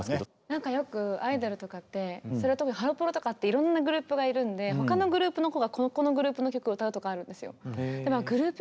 なんかよくアイドルとかって特にハロプロとかっていろんなグループがいるんで他のグループの子がこのグループの曲を歌うとかあるんですよ。